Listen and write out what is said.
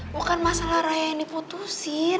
bukan masalah raya yang diputusin